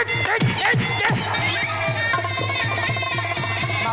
ขอบคุณนะ